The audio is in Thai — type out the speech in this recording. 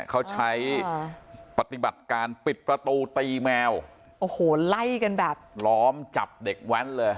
เขาใช้ปฏิบัติการปิดประตูตีแมวโอ้โหไล่กันแบบล้อมจับเด็กแว้นเลย